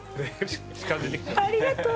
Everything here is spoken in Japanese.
ありがとう。